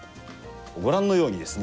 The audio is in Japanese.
ご覧のようにですね